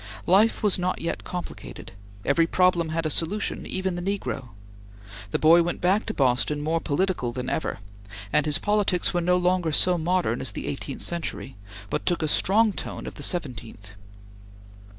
Life was not yet complicated. Every problem had a solution, even the negro. The boy went back to Boston more political than ever, and his politics were no longer so modern as the eighteenth century, but took a strong tone of the seventeenth.